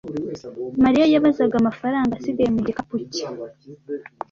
Mariya yabaze amafaranga asigaye mu gikapu cye.